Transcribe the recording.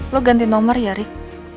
lo ganti nomor ya rik